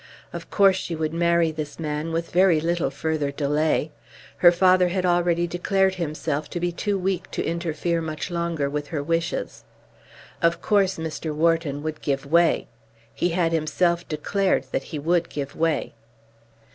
Of course she would marry this man with very little further delay. Her father had already declared himself to be too weak to interfere much longer with her wishes. Of course Mr. Wharton would give way. He had himself declared that he would give way.